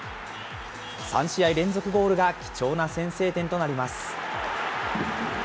３試合連続ゴールが貴重な先制点となります。